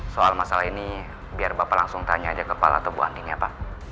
soal masalah ini biar bapak langsung tanya aja kepal atau buantinya pak